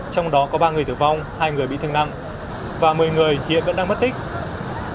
trong đó có ba người tử vong hai người bị thương nặng và một mươi người hiện vẫn đang mất tích